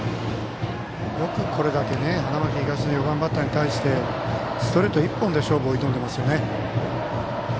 よくこれだけ花巻東、４番バッターに対してストレート１本で勝負を挑んでいますよね。